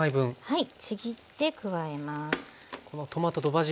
はい。